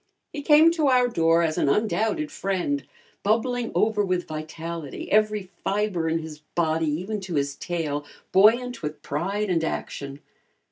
He came to our door as an undoubted friend, bubbling over with vitality, every fiber in his body, even to his tail, buoyant with pride and action.